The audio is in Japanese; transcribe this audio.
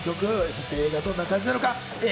実際、映画どんな感じなのか。